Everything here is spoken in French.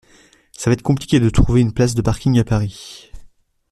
Ça va être compliqué de trouver une place de parking à Paris.